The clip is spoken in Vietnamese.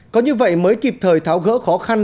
có như vậy mới kịp thời tháo gỡ khó khăn